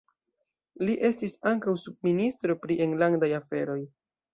Li estis ankaŭ subministro pri enlandaj aferoj.